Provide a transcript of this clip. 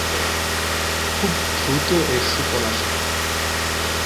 খুব দ্রুত এর সুফল আসে।